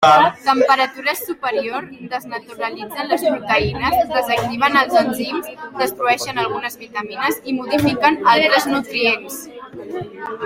Temperatures superiors desnaturalitzen les proteïnes, desactiven els enzims, destrueixen algunes vitamines i modifiquen altres nutrients.